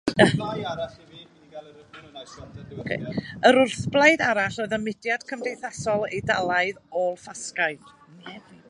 Yr wrthblaid arall oedd y Mudiad Cymdeithasol Eidalaidd ôl-ffasgaidd.